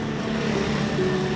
masjidil haram masjidil haram